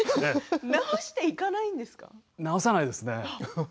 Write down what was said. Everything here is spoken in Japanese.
直さないですね。